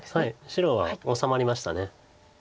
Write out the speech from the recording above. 白は治まりました。